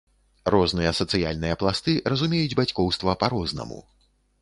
Розныя сацыяльныя пласты разумеюць бацькоўства па-рознаму.